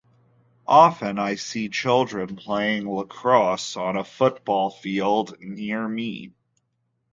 Often I see children playing lacrosse on a football field near me.